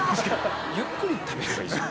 ゆっくり食べればいいじゃん。